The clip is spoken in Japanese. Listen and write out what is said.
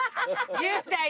１０代で。